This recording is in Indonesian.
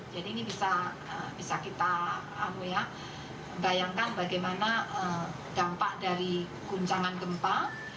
jadi ini bisa kita bayangkan bagaimana dampak dari guncangan gempa